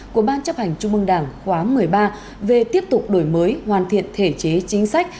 của ban chấp hành trung mương đảng khóa một mươi ba về tiếp tục đổi mới hoàn thiện thể chế chính sách